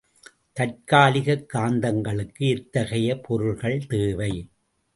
தற்காலிகக் காந்தங்களுக்கு எத்தகைய பொருள்கள் தேவை?